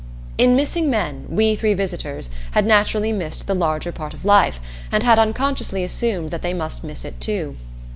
In missing men we three visitors had naturally missed the larger part of life, and had unconsciously assumed that they must miss it too.